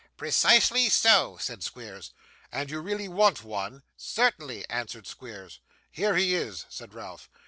'Precisely so,' said Squeers. 'And you really want one?' 'Certainly,' answered Squeers. 'Here he is!' said Ralph.